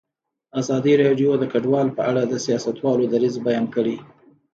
ازادي راډیو د کډوال په اړه د سیاستوالو دریځ بیان کړی.